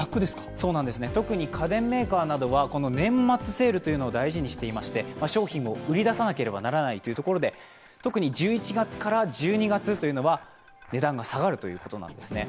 そうなんです、特に家電メーカーなどは年末セールを大事にしていまして、商品を売り出さないとということで特に１１月から１２月は値段が下がるということなんてすね。